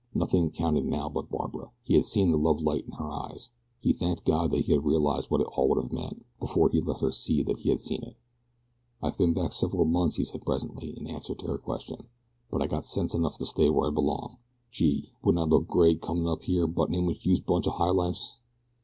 Nothing counted now but Barbara. He had seen the lovelight in her eyes. He thanked God that he had realized what it all would have meant, before he let her see that he had seen it. "I've been back several months," he said presently, in answer to her question; "but I got sense enough to stay where I belong. Gee! Wouldn't I look great comin' up here buttin' in, wit youse bunch of highlifes?"